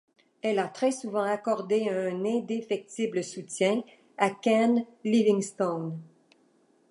Elle a très souvent accordé un indéfectible soutien à Ken Livingstone.